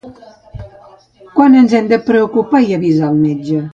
Quan ens hem de preocupar i avisar el metge?